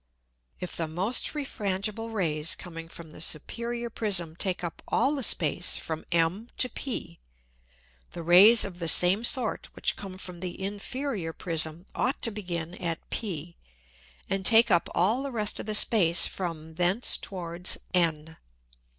If the most refrangible Rays coming from the superior Prism take up all the Space from M to P, the Rays of the same sort which come from the inferior Prism ought to begin at P, and take up all the rest of the Space from thence towards N.